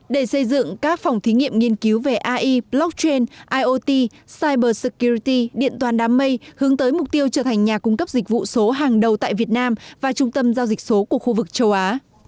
để xây dựng các phòng thí nghiệm nghiên cứu về ai blockchain iot cybersecurity điện toàn đám mây hướng tới mục tiêu trở thành nhà cung cấp dịch vụ số hàng đầu tại việt nam và trung tâm giao dịch số của khu vực châu á